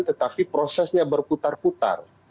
tetapi prosesnya berputar putar